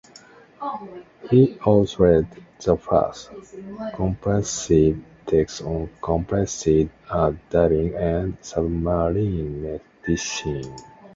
He authored the first comprehensive text on compressed air diving and submarine medicine.